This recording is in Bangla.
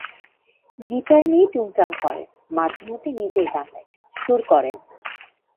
গিটার নিয়ে টুং টাং করেন, মাঝে মধ্যে নিজেই গান লেখেন, সুর করেন।